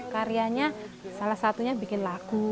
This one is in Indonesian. karyanya salah satunya bikin lagu